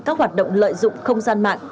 các hoạt động lợi dụng không gian mạng